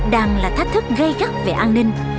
đang là thách thức gây gắt về an ninh